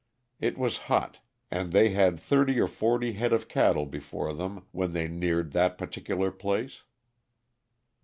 It was hot, and they had thirty or forty head of cattle before them when they neared that particular place.